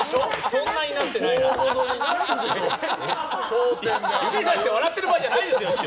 それに対して指さして笑ってる場合じゃないですよ！